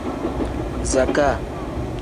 Zakaa.